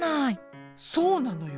そうなのよ。